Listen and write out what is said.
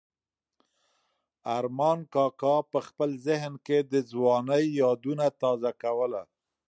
ارمان کاکا په خپل ذهن کې د ځوانۍ یادونه تازه کوله.